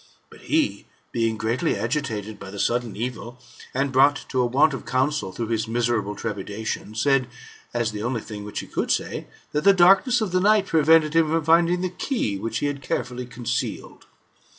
But he, being greatly agitated by the sudden evil, and brought to a want of counsel through his miserable trepidation, said, as the only thing which he could say, that the darkness of the night prevented him from finding the key which he had carefully concealed.